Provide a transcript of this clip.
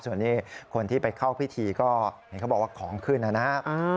ส่วนนี้คนที่ไปเข้าพิธีก็เห็นเขาบอกว่าของขึ้นนะครับ